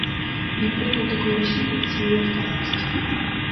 Я прыняў такое рашэнне пад сваю адказнасць.